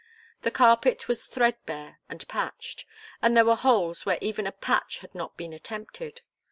The carpet was threadbare and patched, and there were holes where even a patch had not been attempted.